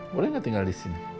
boleh gak tinggal disini